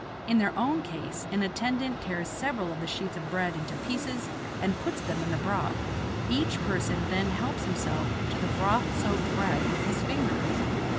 In their own case, an attendant tears several of the sheets of bread into pieces and puts them in the broth; each person then helps himself to the broth soaked bread with his fingers.